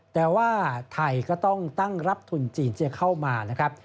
แต่ว่าไทยก็ต้องตั้งรับทุนจีนจะเข้ามานะครับ